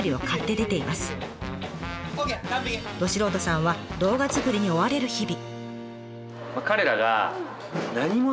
ど素人さんは動画作りに追われる日々。